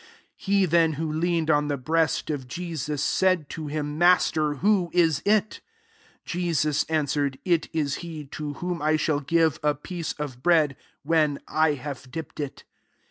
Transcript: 25 He then who leaned on the breast of Jesus, said to him, " Master, who is it ?" 26 Jesus answered, " It is he to whom I shall give a piece of bread, when I have dipped it."